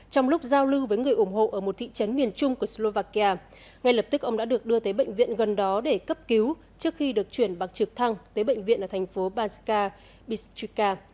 trong lúc giao lưu với người ủng hộ ở một thị trấn miền trung của slovakia ngay lập tức ông đã được đưa tới bệnh viện gần đó để cấp cứu trước khi được chuyển bằng trực thăng tới bệnh viện ở thành phố banska bistrika